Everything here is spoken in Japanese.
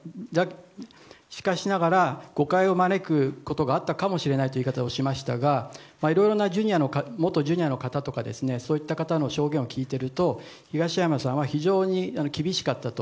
しかしながら誤解を招くことがあったかもしれないという言い方をしていましたがいろいろな元Ｊｒ．の方とかそういった方の証言を聞いていると東山さんは非常に厳しかったと。